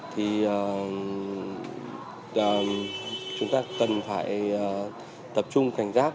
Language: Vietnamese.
thì chúng ta cần phải tập trung cảnh giác